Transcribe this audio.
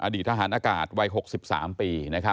อดีตทหารอากาศวัย๖๓ปี